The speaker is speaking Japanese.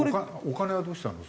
お金はどうしたの？